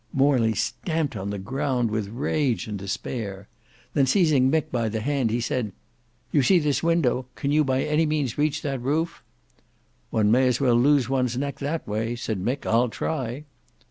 Morley stamped on the ground with rage and despair. Then seizing Mick by the hand he said, "You see this window; can you by any means reach that roof?" "One may as well lose one's neck that way," said Mick. "I'll try."